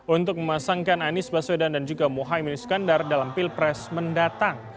untuk memasangkan anies baswedan dan juga mohaimin iskandar dalam pilpres mendatang